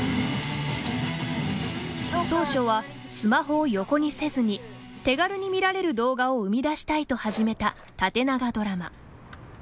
当初はスマホを横にせずに手軽に見られる動画を生み出したいと始めた縦長ドラマ。